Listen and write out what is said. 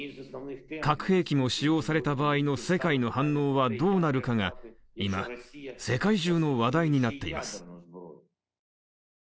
核兵器も使用された場合の世界の反応はどうなるかが今、世界中の話題になっています。